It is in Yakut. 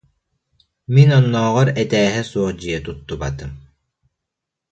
Мин оннооҕор этээһэ суох дьиэ туттубатым